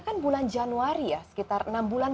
kan bulan januari ya sekitar enam bulan